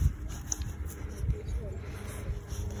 za majeshi yanayo muunga mkono gbagbo kuvamia majeshi ya umoja mataifa